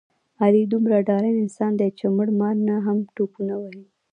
علي دومره ډارن انسان دی، چې مړه مار نه هم ټوپونه وهي.